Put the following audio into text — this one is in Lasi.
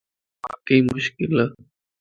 ايو واقعي مشڪلَ